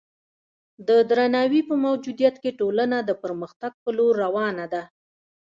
د درناوي په موجودیت کې ټولنه د پرمختګ په لور روانه ده.